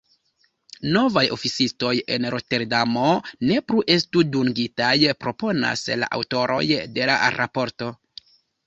Novaj oficistoj en Roterdamo ne plu estu dungitaj, proponas la aŭtoroj de la raporto.